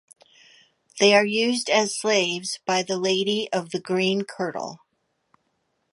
They are used as slaves by the Lady of the Green Kirtle.